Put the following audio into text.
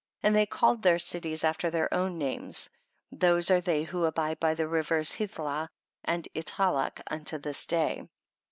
1 1 . And they called their cities after their own names, those are they who abide by the rivers Hithlah and Italac unto litis day.